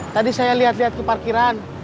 tadi saya lihat lihat ke parkiran